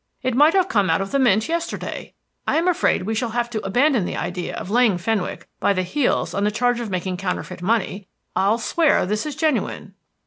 It might have come out of the Mint yesterday. I am afraid we shall have to abandon the idea of laying Fenwick by the heels on the charge of making counterfeit money. I'll swear this is genuine."